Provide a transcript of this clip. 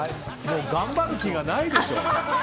頑張る気がないでしょ。